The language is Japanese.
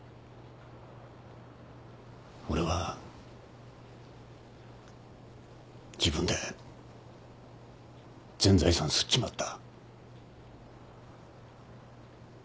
俺は自分で全財産すっちまった。